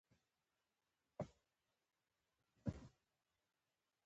هغې د ښایسته خاطرو لپاره د صادق اواز سندره ویله.